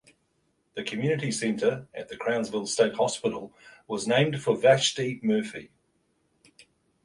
The community center at the Crownsville State Hospital was named for Vashti Murphy.